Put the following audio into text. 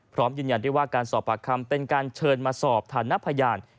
พร้อมยืนยันได้ว่าการสอบปากคำเป็นการเชิญมาสอบฐานะพยาน